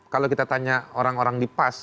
kalau kita tanya orang orang di pas